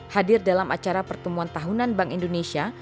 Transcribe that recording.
hadir dalam acara pertemuan tahunan bank indonesia